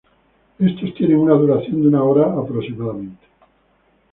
Estos tienen una duración de una hora aproximadamente.